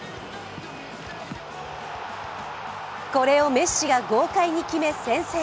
これをメッシが豪快に決め、先制。